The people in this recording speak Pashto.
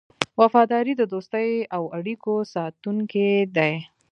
وفاداري د دوستۍ او اړیکو ساتونکی دی.